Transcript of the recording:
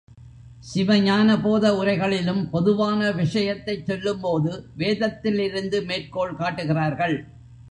சிவஞானபோத உரைகளிலும் பொதுவான விஷயத்தைச் சொல்லும்போது வேதத்திலிருந்து மேற்கோள் காட்டுகிறார்கள்.